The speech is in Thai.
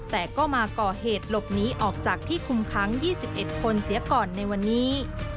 แต่ก็มาก่อเหตุหลบหนีออกจากที่คุมค้าง๒๑คนเสียก่อนในวันนี้